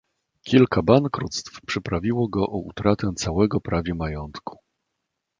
"Kilka bankructw przyprawiło go o utratę całego prawie majątku."